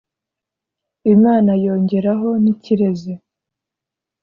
Imana yongeraho n'ikirezi